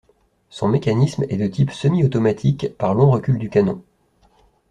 Son mécanisme est de type semi-automatique par long recul du canon.